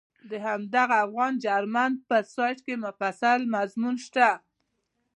د همدغه افغان جرمن په سایټ کې مفصل مضمون شته.